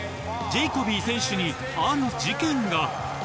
ジェイコビー選手にある事件が。